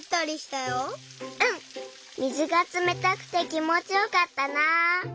うん水がつめたくてきもちよかったな。